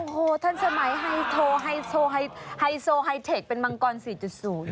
โอ้โหทันสมัยไฮโฮไลโซไฮเทคเป็นมังกร๔๐